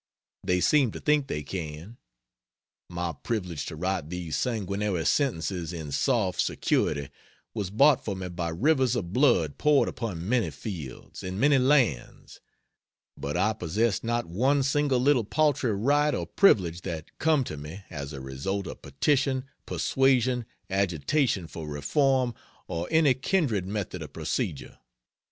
They seem to think they can. My privilege to write these sanguinary sentences in soft security was bought for me by rivers of blood poured upon many fields, in many lands, but I possess not one single little paltry right or privilege that come to me as a result of petition, persuasion, agitation for reform, or any kindred method of procedure.